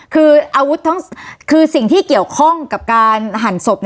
คืออาวุธทั้งคือสิ่งที่เกี่ยวข้องกับการหั่นศพ